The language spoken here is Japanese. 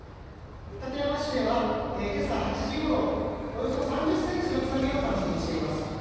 館山市では今朝８時ごろおよそ３０ｃｍの津波を観測しています。